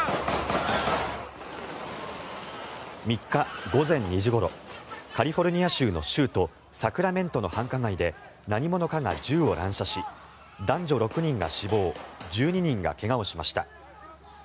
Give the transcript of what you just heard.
３日午前２時ごろカリフォルニア州の州都サクラメントの繁華街で何者かが銃を乱射し男女６人が死亡１２人が怪我をしました。